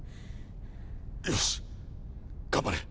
よし頑張れ！